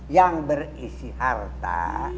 yang berisi harta